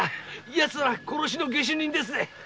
やつら殺しの下手人ですぜ。